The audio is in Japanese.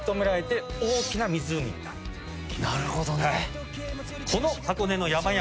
なるほどね。